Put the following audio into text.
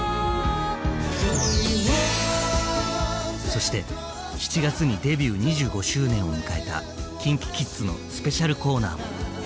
そして７月にデビュー２５周年を迎えたＫｉｎＫｉＫｉｄｓのスペシャルコーナーも。